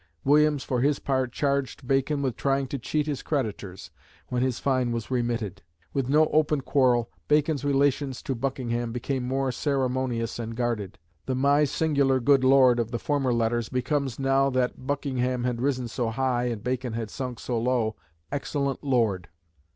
Williams, for his part, charged Bacon with trying to cheat his creditors, when his fine was remitted. With no open quarrel, Bacon's relations to Buckingham became more ceremonious and guarded; the "My singular good Lord" of the former letters becomes, now that Buckingham had risen so high and Bacon had sunk so low, "Excellent Lord."